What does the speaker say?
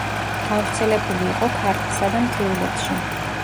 გავრცელებული იყო ქართლსა და მთიულეთში.